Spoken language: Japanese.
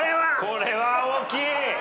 これは大きい。